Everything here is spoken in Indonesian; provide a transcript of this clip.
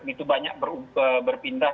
begitu banyak berpindah